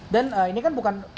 dan ini kan bukan